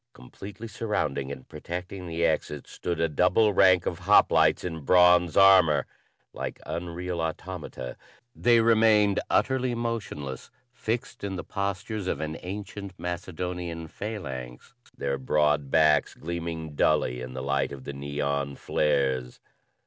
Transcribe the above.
Completely surrounding and protecting the exit stood a double rank of hoplites in bronze armor. Like unreal automata, they remained utterly motionless, fixed in the various postures of an ancient Macedonian phalanx, their broad backs gleaming dully in the light of the neon flares.